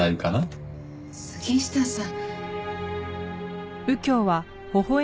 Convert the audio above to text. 杉下さん。